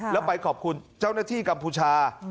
แล้วไปขอบคุณเจ้าหน้าที่กัมพูชา